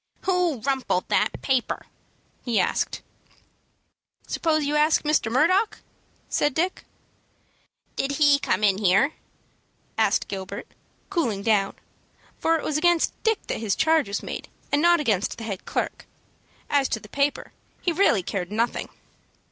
"Who rumpled that paper?" he asked. "Suppose you ask Mr. Murdock?" said Dick. "Did he come in here?" asked Gilbert, cooling down, for it was against Dick that his charge was made, and not against the head clerk. As to the paper, he really cared nothing.